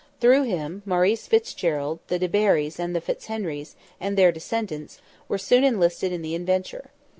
Through him Maurice Fitzgerald, the de Barris, and Fitz Henrys, and their dependents, were soon enlisted in the adventure.